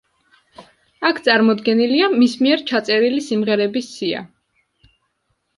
აქ წარმოდგენილია მის მიერ ჩაწერილი სიმღერების სია.